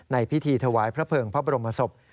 ในพิธีถวายพระเภิงพระบรมศพ